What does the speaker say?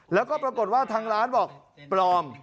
แล้วก็ปรากฏว่าทางร้านบอกปลอม